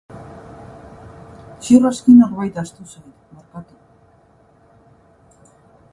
Ziur aski, norbait ahaztu zait, barkatu.